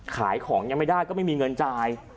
ขายของยังไม่ได้ก็ไม่มีเงินจ่าย